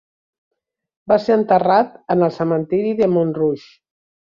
Va ser enterrat en el Cementiri de Montrouge.